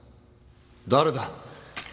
誰だ？